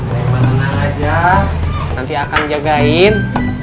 neng tenang aja nanti akan jagain